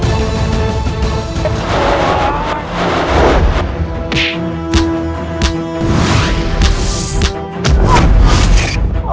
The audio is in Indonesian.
aku akan memakainya